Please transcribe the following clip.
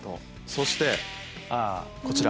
そしてこちら。